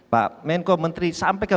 pak menko menteri sampai ke